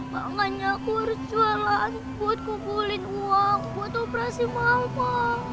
makanya aku harus jualan buat ngumpulin uang buat operasi mama